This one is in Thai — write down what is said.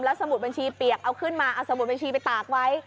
สมุดบัญชีเปียกเอาขึ้นมาเอาสมุดบัญชีไปตากไว้